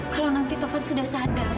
kalau nanti taufan sudah sadar